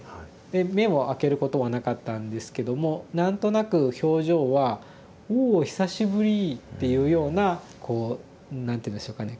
で目をあけることはなかったんですけども何となく表情は「おお久しぶり」っていうようなこう何て言うんでしょうかね